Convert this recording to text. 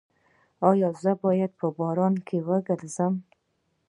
ایا زه باید په باران کې وګرځم؟